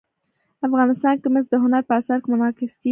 افغانستان کې مس د هنر په اثار کې منعکس کېږي.